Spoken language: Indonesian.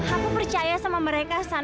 aku percaya sama mereka